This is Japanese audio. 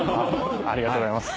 ありがとうございます。